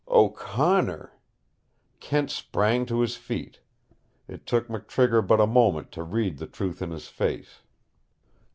"O'Connor!" Kent sprang to his feet. It took McTrigger but a moment to read the truth in his face.